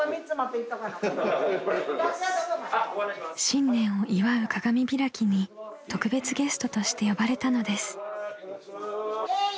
［新年を祝う鏡開きに特別ゲストとして呼ばれたのです］